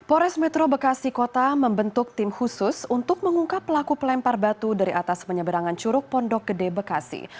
pores metro bekasi kota membentuk tim khusus untuk mengungkap pelaku pelempar batu dari atas penyeberangan curug pondok gede bekasi